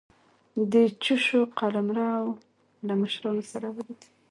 د چوشو قلمرو له مشرانو سره ولیدل.